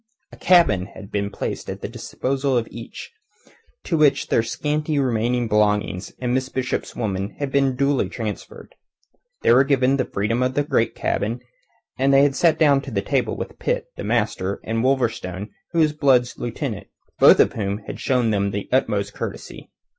A cabin had been placed at the disposal of each, to which their scanty remaining belongings and Miss Bishop's woman had been duly transferred. They were given the freedom of the great cabin, and they had sat down to table with Pitt, the master, and Wolverstone, who was Blood's lieutenant, both of whom had shown them the utmost courtesy.